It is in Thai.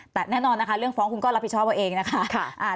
แต่แน่นอนนะคะเรื่องฟ้องคุณก็รับผิดชอบเอาเองนะคะ